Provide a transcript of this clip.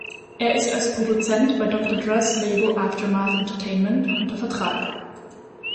Er ist als Produzent bei Dr Dres Label Aftermath Entertainment unter Vertrag.